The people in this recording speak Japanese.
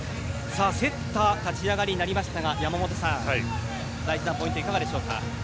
競った立ち上がりになりましたが山本さん、大事なポイントいかがでしょうか？